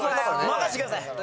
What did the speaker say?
任せてください！